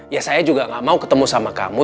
ya saya juga gak mau ketemu sama kamu